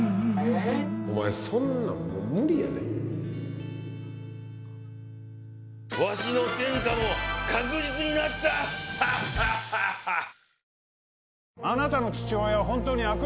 お前そんなんもう無理やでわしの天下も確実になったアッハッハッハッハ！